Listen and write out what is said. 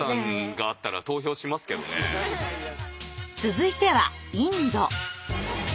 続いてはインド。